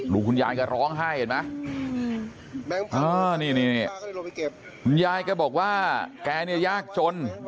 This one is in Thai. คุณยายแกร้องไห้เห็นไหมนี่คุณยายแกบอกว่าแกเนี่ยยากจน